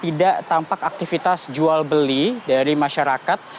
tidak tampak aktivitas jual beli dari masyarakat